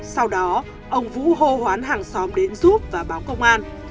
sau đó ông vũ hô hoán hàng xóm đến giúp và báo công an